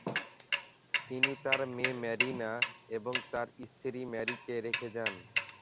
তিনি তার মেয়ে ম্যারিনা এবং তার স্ত্রী মেরিকে রেখে যান।